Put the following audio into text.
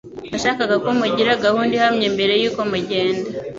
Ndashaka ko mugira gahunda ihamye mbere yuko mugenda